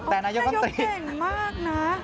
แต่นายกรัฐมนตรีอ๋อท่านกรัฐมนตรีเก่งมากนะ